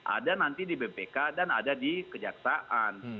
ada nanti di bpk dan ada di kejaksaan